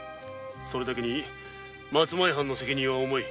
それだけに松前藩の責任は重い。